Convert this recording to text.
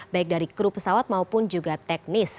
baik dari kru pesawat maupun juga teknis